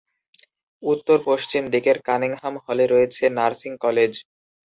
উত্তর-পশ্চিম দিকের কানিংহাম হলে রয়েছে নার্সিং কলেজ।